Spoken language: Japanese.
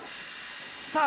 さあ